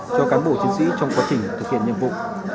cho cán bộ chiến sĩ trong quá trình thực hiện nhiệm vụ